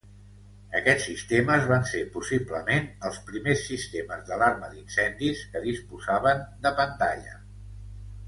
Aquests sistemes van ser possiblement els primers sistemes d'alarma d'incendis que disposaven de pantalla.